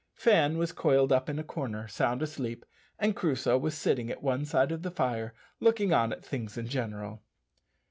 Fan was coiled up in a corner sound asleep, and Crusoe was sitting at one side of the fire looking on at things in general.